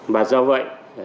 và do vậy chúng ta